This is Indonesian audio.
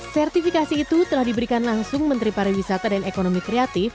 sertifikasi itu telah diberikan langsung menteri pariwisata dan ekonomi kreatif